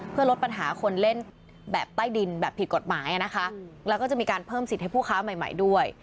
เพื่อลดปัญหาคนเล่นแบบใต้ดินแบบผิดกฎหมายนะคะแล้วก็จะมีการเพิ่มสิทธิ์ให้ผู้ค้าใหม่ด้วย